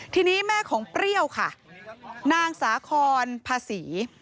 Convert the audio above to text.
ทีนี้แม่ของเปรี้ยวค่ะนางสาคอนภาษี